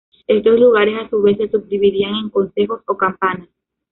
Estos lugares a su vez se subdividían en concejos o campanas.